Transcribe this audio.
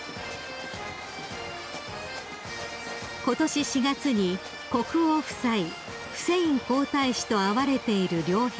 ［ことし４月に国王夫妻フセイン皇太子と会われている両陛下］